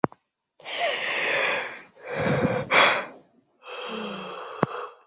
Kubainisha upunguzaji wa umaskini afya na faida nyinginezo zinazotokana na usafi